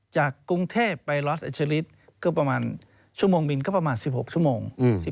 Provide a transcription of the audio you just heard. จากกรุงเทพฯไปรอสเอเชอริสชั่วโมงบินประมาณ๑๕๑๖ชั่วโมง